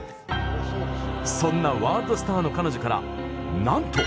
そんなワールドスターの彼女からなんと！